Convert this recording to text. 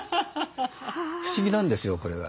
不思議なんですよこれが。